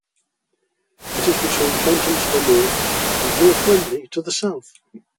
It is between Kenton to the north, and North Wembley to the south.